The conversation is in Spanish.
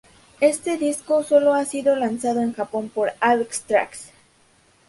Este disco sólo ha sido lanzado en Japón por Avex Trax.